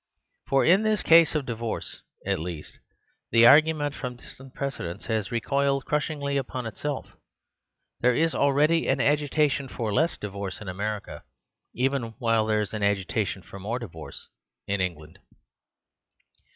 For in this case of divorce, at least, the argument from distant precedents has recoiled crushingly upon itself. There is already an agitation for less divorce in Amer The Superstition of Divorce 66 ica, even while there is an agitation for more divorce in England.